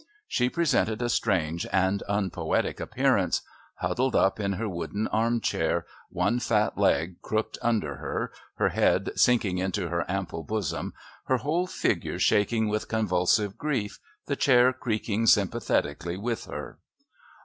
She presented a strange and unpoetic appearance, huddled up in her wooden arm chair, one fat leg crooked under her, her head sinking into her ample bosom, her whole figure shaking with convulsive grief, the chair creaking sympathetically with her.